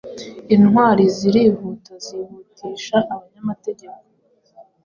Intwari zirihutazihutisha abanyamategeko